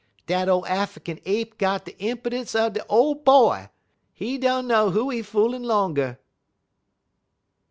Dat ole Affikin ape got de impidence er de Ole Boy. He dunner who he foolin' 'longer!"